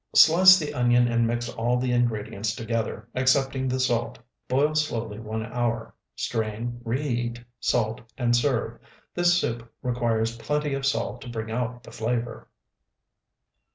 Slice the onion and mix all the ingredients together, excepting the salt; boil slowly one hour; strain, reheat, salt, and serve. This soup requires plenty of salt to bring out the flavor.